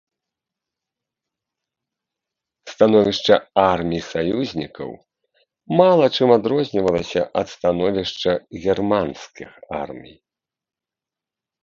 Становішча армій саюзнікаў мала чым адрознівалася ад становішча германскіх армій.